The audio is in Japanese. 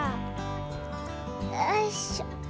よいしょ。